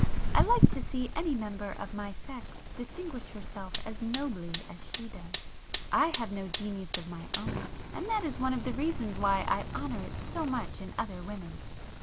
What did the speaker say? I like to see any member of my sex distinguish herself as nobly as she does. I have no genius of my own, and that is one of the reasons why I honour it so much in other women."